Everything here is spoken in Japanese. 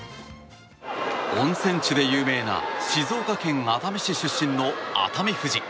温泉地で有名な静岡県熱海市出身の熱海富士。